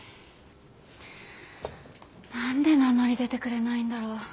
何で名乗り出てくれないんだろう。